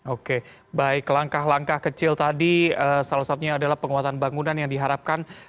oke baik langkah langkah kecil tadi salah satunya adalah penguatan bangunan yang diharapkan